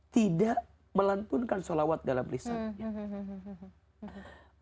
tidak melantunkan sholawat dalam lisannya